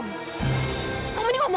kamu nggak mungkin menculik anaknya om